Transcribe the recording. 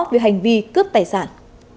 về hành vi cướp tài sản